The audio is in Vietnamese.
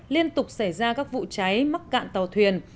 liên tục xảy ra các vụ cháy mắc cạn tàu thuyền